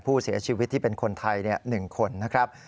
ผู้เสียชีวิตที่เป็นคนไทย๑คนนะครับ